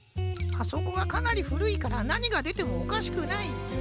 あそこはかなりふるいからなにがでてもおかしくない。